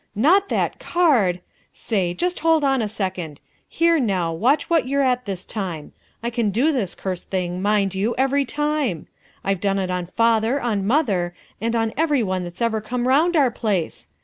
"Not that card!!!! Say just hold on a second. Here, now, watch what you're at this time. I can do this cursed thing, mind you, every time. I've done it on father, on mother, and on every one that's ever come round our place.